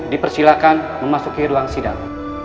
dipersilakan memasuki ruang sidang